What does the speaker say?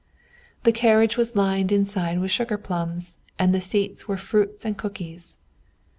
The carriage was lined inside with sugar plums, and in the seats were fruits and cookies.